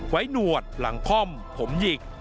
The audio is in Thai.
หนวดหลังค่อมผมหยิก